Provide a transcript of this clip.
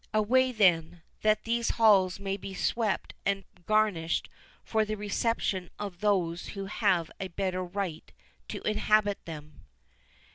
Away then, that these halls may be swept and garnished for the reception of those who have a better right to inhabit them."